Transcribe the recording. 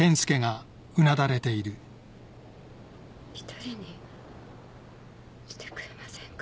一人にしてくれませんか？